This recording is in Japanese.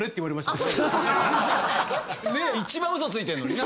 一番嘘ついてんのにな。